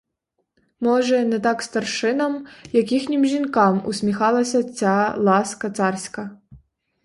Може, не так старшинам, як їхнім жінкам усміхалася ця ласка царська.